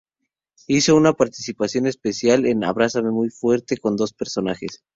Hizo una participación especial en "Abrázame muy fuerte", con dos personajes.